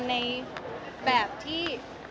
ในแบบที่